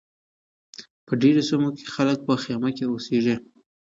په ډېرو سیمو کې خلک په خیمه کې اوسیږي.